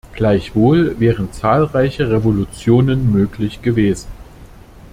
Gleichwohl wären zahlreiche Revolutionen möglich gewesen.